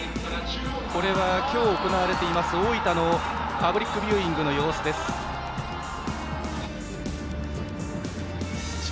今日行われています大分のパブリックビューイングの様子でした。